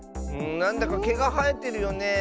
なんだかけがはえてるよねえ。